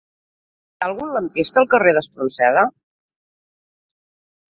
Hi ha algun lampista al carrer d'Espronceda?